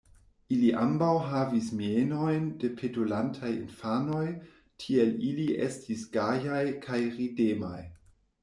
Ili ambaŭ havis mienojn de petolantaj infanoj, tiel ili estis gajaj kaj ridemaj.